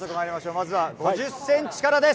まずは５０センチからです。